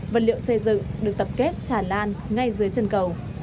vật liệu xây dựng được tập kết tràn lan ngay dưới chân cầu